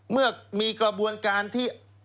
เมื่อมีกระบวนการที่